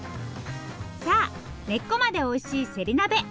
さあ根っこまでおいしいせり鍋。